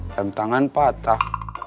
rem tangan patah